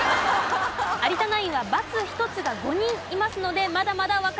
有田ナインはバツ１つが５人いますのでまだまだわかりません。